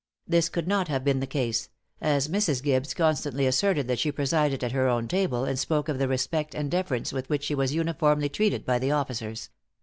This could not have been the case; as Mrs. Gibbes constantly asserted that she presided at her own table, and spoke of the respect and deference with which she was uniformly treated by the officers.